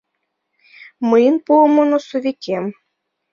Мыйын пуымо носовикем